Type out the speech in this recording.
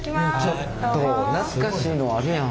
ちょっと懐かしいのあるやん。